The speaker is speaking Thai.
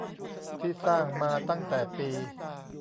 ที่สร้างมาตั้งแต่ปี